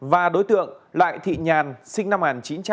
và đối tượng lại thị nhàn sinh năm một nghìn chín trăm năm mươi tám